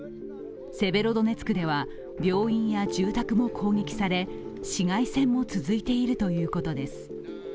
セベロドネツクでは病院や住宅も攻撃され市街戦も続いているということです。